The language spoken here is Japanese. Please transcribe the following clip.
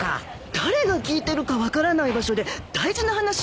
誰が聞いてるか分からない場所で大事な話はできないよ。